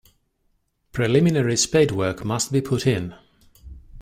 Preliminary spadework must be put in.